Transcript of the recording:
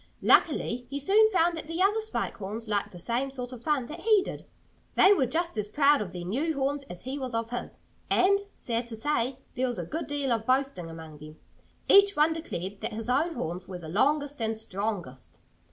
Luckily he soon found that the other Spike Horns liked the same sort of fun that he did. They were just as proud of their new horns as he was of his. And (sad to say!) there was a good deal of boasting among them. Each one declared that his own horns were the longest and strongest.